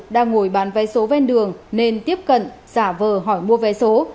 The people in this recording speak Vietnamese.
đang ngồi bán vé số ven đường nên tiếp cận giả vờ hỏi mua vé số